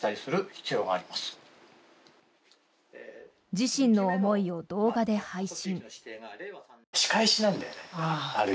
自身の思いを動画で配信。